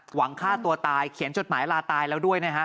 หวังฆ่าตัวตายเขียนจดหมายลาตายแล้วด้วยนะฮะ